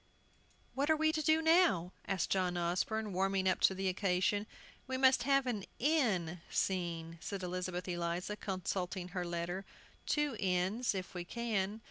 "What are we to do now?" asked John Osborne, warming up to the occasion. "We must have an 'inn' scene," said Elizabeth Eliza, consulting her letter; "two inns, if we can."